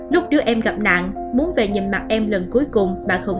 lúc đứa em gặp nạn